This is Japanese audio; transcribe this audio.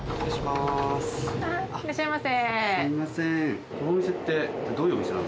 すみません。